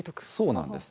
そうなんです。